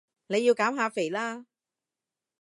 你要減下肥啦